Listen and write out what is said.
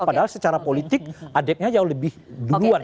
padahal secara politik adiknya jauh lebih duluan